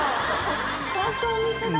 本当お店だ！